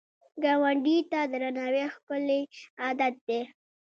ګاونډي ته درناوی ښکلی عادت دی